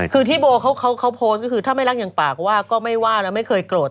คือที่โบเขาโพสต์ก็คือถ้าไม่รักอย่างปากว่าก็ไม่ว่าแล้วไม่เคยโกรธ